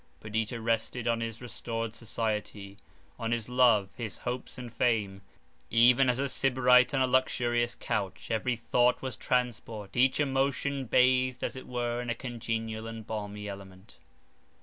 Perdita rested on his restored society, on his love, his hopes and fame, even as a Sybarite on a luxurious couch; every thought was transport, each emotion bathed as it were in a congenial and balmy element.